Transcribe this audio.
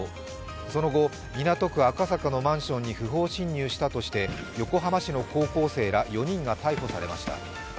その後、港区赤坂のマンションに不法侵入したとして横浜市の高校生ら４人が逮捕されました。